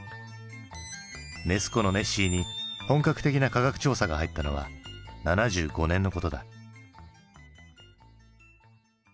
ネス湖のネッシーに本格的な科学調査が入ったのは７５年のことだ。